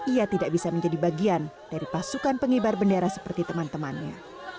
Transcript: ia tidak bisa menjadi bagian dari pasukan pengibar bendera seperti teman temannya